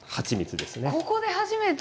ここで初めて？